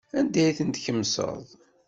Anda ay tent-tkemseḍ?